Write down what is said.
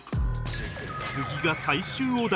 次が最終お題